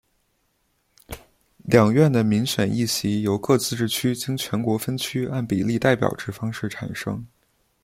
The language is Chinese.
两院的民选议席由各自治区经全国分区按比例代表制方式产生。